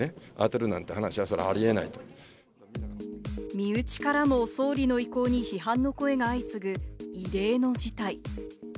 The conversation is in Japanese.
身内からも総理の意向に批判の声が相次ぐ異例の事態。